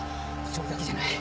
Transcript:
それだけじゃない。